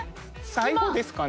最後ですかね？